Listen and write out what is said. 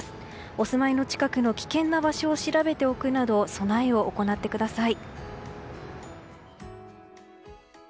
お住まいの近くの危険な場所を調べておくなど備えを行ってください。